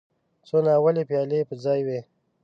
څو ناولې پيالې په ځای وې.